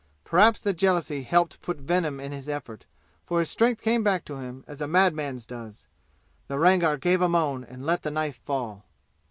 Perhaps the jealousy helped put venom in his effort, for his strength came back to him as a madman's does. The Rangar gave a moan and let the knife fall.